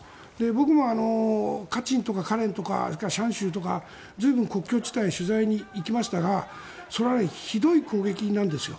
ぼくもカチンとかカレンとかシャン州とか随分、国境地帯に取材に行きましたがそれはひどい攻撃なんですよ。